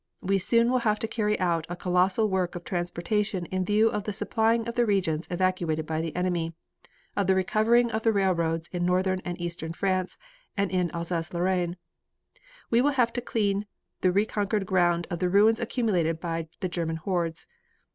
We soon will have to carry out a colossal work of transportation in view of the supplying of the regions evacuated by the enemy, of the recovering of the railroads in Northern and Eastern France and in Alsace Lorraine. We will have to clean the reconquered ground of the ruins accumulated by the German hordes.